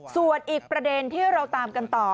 ส่วนอีกประเด็นที่เราตามกันต่อ